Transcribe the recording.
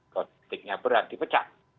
kode etiknya berat dipecat